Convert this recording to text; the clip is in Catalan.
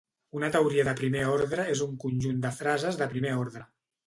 Una teoria de primer ordre és un conjunt de frases de primer ordre.